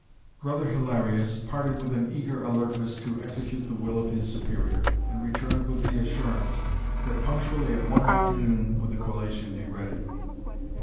Brother Hilarius parted with an eager alertness to execute the will of his Superior, and returned with the assurance, that punctually at one afternoon would the collation be ready.